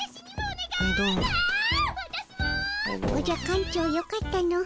おじゃ館長よかったの。